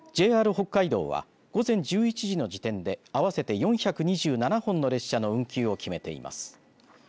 ＪＲ北海道は午前１１時の時点で合わせて４２７本の列車の運休を決めています。